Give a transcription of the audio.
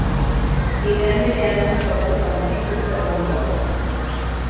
He then began to focus on feature film work.